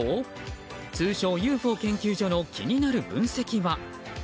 通称ＵＦＯ研究所の気になる分析は。